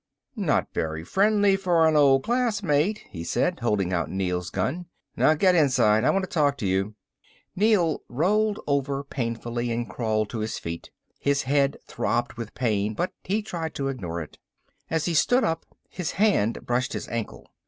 "Not very friendly for an old classmate," he said, holding out Neel's gun. "Now get inside, I want to talk to you." Neel rolled over painfully and crawled to his feet. His head throbbed with pain, but he tried to ignore it. As he stood up his hand brushed his ankle.